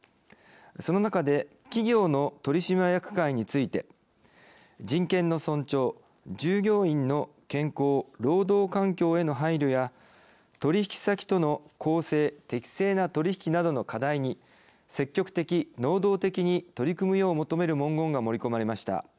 その中で企業の取締役会について人権の尊重、従業員の健康・労働環境への配慮や取引先との公正・適正な取引などの課題に積極的・能動的に取り組むよう求める文言が盛り込まれました。